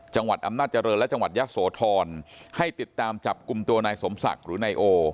จังหวัดอำนาจริงและจังหวัดยะโสธรให้ติดตามจับกลุ่มตัวนายสมศักดิ์หรือนายโอ